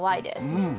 うん。